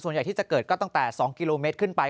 ใหญ่ที่จะเกิดก็ตั้งแต่๒กิโลเมตรขึ้นไป